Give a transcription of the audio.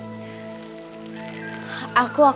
aku sekarang ngerti maksud kamu